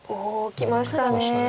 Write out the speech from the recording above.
きました。